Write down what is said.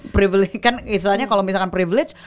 privilege kan istilahnya kalo misalkan privilege